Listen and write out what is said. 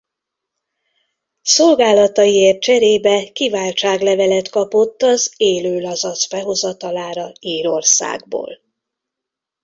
Szolgálataiért cserébe kiváltságlevelet kapott az élő lazac behozatalára Írországból.